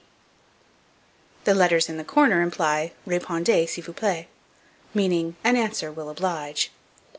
P._ The letters in the corner imply "Répondez, s'il vous plaît;" meaning, "an answer will oblige."